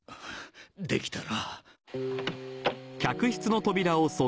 できたら。